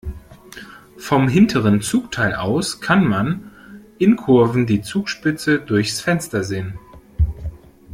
Vom hinteren Zugteil aus kann man in Kurven die Zugspitze durchs Fenster sehen.